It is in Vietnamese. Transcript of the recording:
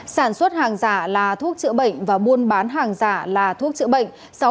sản xuất hàng giả là thuốc chữa bệnh và buôn bán hàng giả là thuốc chữa bệnh